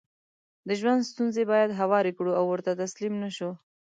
دژوند ستونزې بايد هوارې کړو او ورته تسليم نشو